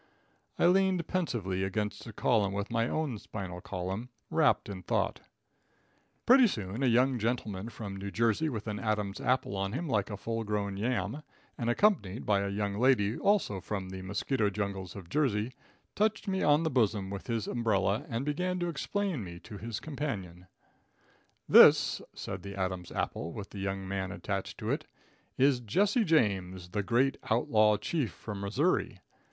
I leaned pensively against a column with my own spinal column, wrapped in thought. Pretty soon a young gentleman from New Jersey with an Adam's apple on him like a full grown yam, and accompanied by a young lady also from the mosquito jungles of Jersey, touched me on the bosom with his umbrella and began to explain me to his companion. [Illustration: THIS IS JESSE JAMES.] "This," said the Adam's apple with the young man attached to it, "is Jesse James, the great outlaw chief from Missouri.